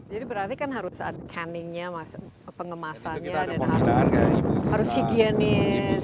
jadi berarti kan harus saat canning nya pengemasannya harus higienis